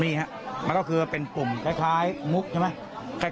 มีครับมันก็คือเป็นปุ่มคล้ายมุกใช่ไหม